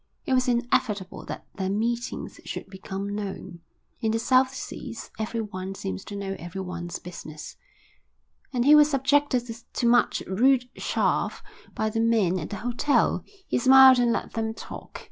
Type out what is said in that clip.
It was inevitable that their meetings should become known in the South Seas everyone seems to know everyone's business and he was subjected to much rude chaff by the men at the hotel. He smiled and let them talk.